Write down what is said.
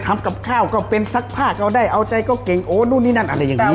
ทำกับข้าวก็เป็นซักผ้าก็ได้เอาใจก็เก่งโอ้นู่นนี่นั่นอะไรอย่างนี้